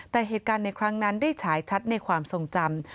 แต่เหตุการณ์ในครั้งนั้นได้ฉายชัดในความทรงจำ